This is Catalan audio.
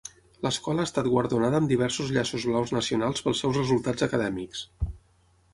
L'escola ha estat guardonada amb diversos llaços blaus nacionals pels seus resultats acadèmics.